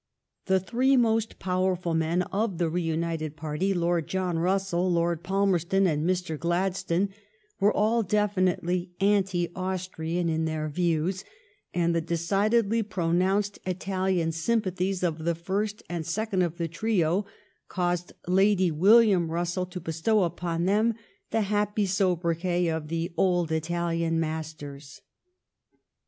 The three most powerful men of the reunited party. Lord John Bussell, Lord Palmerston, and Mr. Gladstone, were all definitely anti Austrian in their views ; and the decidedly pronounced Italian sympathies of the first and second of the trio caused Lady William Bussell to bestow upon them the happy sobriquet of the '^old Italian masters."